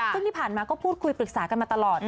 ซึ่งที่ผ่านมาก็พูดคุยปรึกษากันมาตลอด